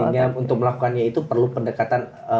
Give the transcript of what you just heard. artinya untuk melakukannya itu perlu pendekatan